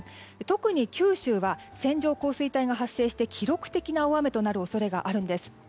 特に、九州は線状降水帯が発生して記録的な大雨となる恐れがあるんです。